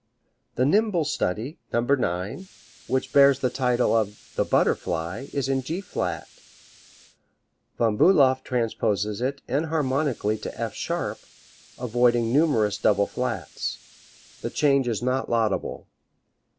The nimble study, No. 9, which bears the title of "The Butterfly," is in G flat Von Bulow transposes it enharmonically to F sharp, avoiding numerous double flats. The change is not laudable.